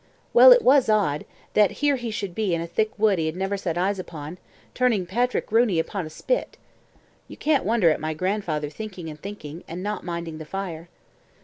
Well it was odd, that here he should be in a thick wood he had never set eyes upon, turning Patrick Rooney upon a spit. You can't wonder at my grandfather thinking and thinking and not minding the fire.